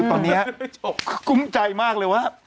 ตอนนี้คุ้มใจมากเลยว่า